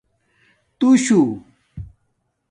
توشُو